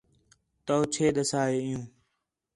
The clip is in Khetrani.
تو چھے ݙَسیا ہے عِیّوں